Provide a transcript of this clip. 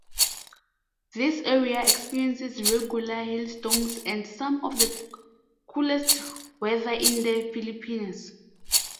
This area experiences regular hailstorms and some of the coolest weather in the Philippines.